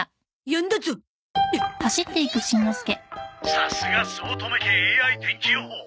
「さすが酢乙女家ＡＩ天気予報！」